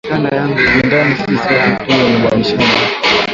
Tupendane sisi sote tuwe na limishana